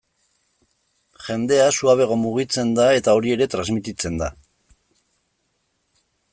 Jendea suabeago mugitzen da eta hori ere transmititzen da.